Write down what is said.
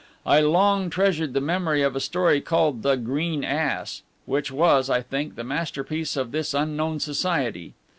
I long treasured the memory of a story called the "Green Ass," which was, I think, the masterpiece of this unknown Society.